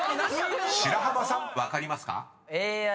［白濱さん分かりますか？］